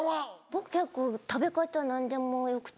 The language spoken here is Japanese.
僕結構食べ方何でもよくて。